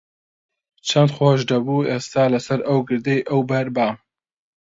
چەند خۆش دەبوو ئێستا لەسەر ئەو گردەی ئەوبەر بام.